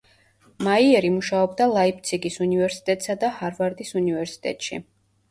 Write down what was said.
მაიერი მუშაობდა ლაიფციგის უნივერსიტეტსა და ჰარვარდის უნივერსიტეტში.